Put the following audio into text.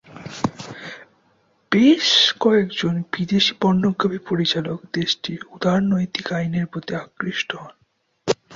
বেশ কয়েকজন বিদেশী পর্নোগ্রাফি পরিচালক দেশটির উদারনৈতিক আইনের প্রতি আকৃষ্ট হন।